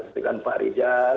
itu kan pak rijal